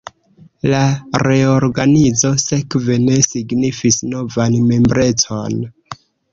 La reorganizo sekve ne signifis novan membrecon.